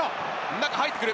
中に入ってくる！